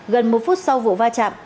gần một phút sau vụ va chạm